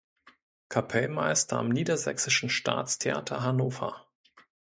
Kapellmeister am Niedersächsischen Staatstheater Hannover.